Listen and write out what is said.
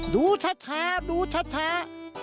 ดูชะชา